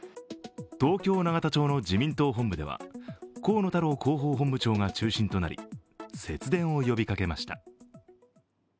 東京・永田町の自民党本部では河野太郎広報本部長が中心となり節電を呼びかけました。